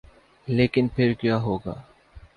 لیکن پھر کیا ہو گا؟